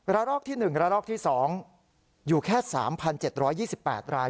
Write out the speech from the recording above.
ระลอกที่๑ระลอกที่๒อยู่แค่๓๗๒๘ราย